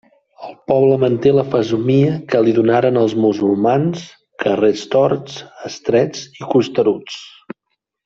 El poble manté la fesomia que li donaren els musulmans: carrers torts, estrets i costeruts.